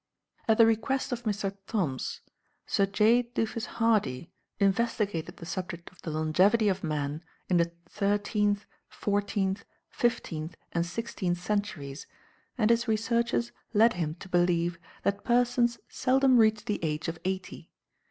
At the request of Mr. Thoms, Sir J. Duffus Hardy investigated the subject of the longevity of man in the thirteenth, fourteenth, fifteenth, and sixteenth centuries, and his researches led him to believe that persons seldom reached the age of eighty.